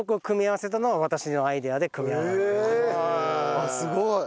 あっすごい。